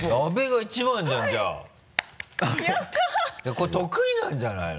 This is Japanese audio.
これ得意なんじゃないの？